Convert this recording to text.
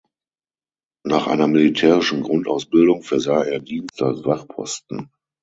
Nach einer militärischen Grundausbildung versah er Dienst als Wachposten.